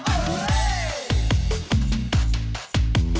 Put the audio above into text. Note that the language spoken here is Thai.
โอ้โหอัักษณะ